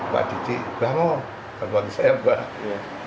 pak dici bangun kalau bagi saya bangun